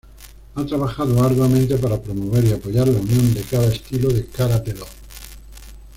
Ha trabajado arduamente para promover y apoyar la unión de cada estilo de Karate-Do.